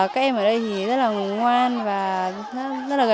các em ở đây thì rất là ngoan và rất là gần gũi